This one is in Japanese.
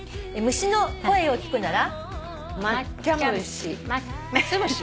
「虫の声を聞くなら」